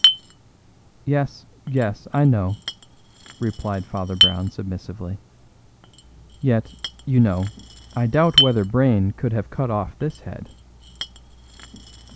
"Yes, yes; I know," replied Father Brown submissively. "Yet, you know, I doubt whether Brayne could have cut off this head."